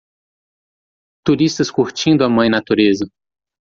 Turistas curtindo a mãe natureza.